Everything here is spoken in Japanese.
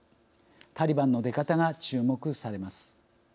タリバンの出方が注目されます。